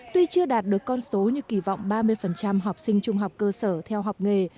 tuy chưa đạt được con số như kỳ vọng ba mươi học sinh trung học cơ sở theo học nghề